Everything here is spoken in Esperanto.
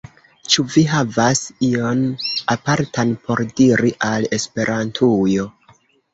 Ĉu vi havas ion apartan por diri al Esperantujo?